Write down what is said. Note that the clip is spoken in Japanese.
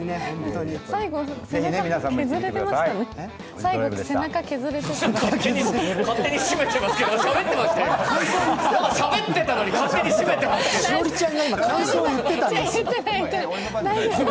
最後、背中削れてましたね。